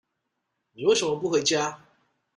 你為什麼不回家？